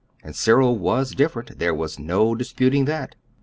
And Cyril WAS different there was no disputing that.